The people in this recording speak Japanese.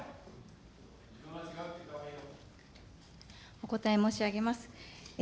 お答え申し上げます。